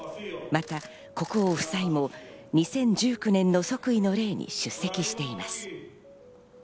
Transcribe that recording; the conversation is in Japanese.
また国王夫妻も２０１９年の即位の礼に出席しています。